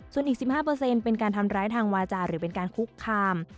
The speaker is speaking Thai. ส่วนอีก๑๕เป็นการทำร้ายทางวาจาหรือเป็นการคุกคาม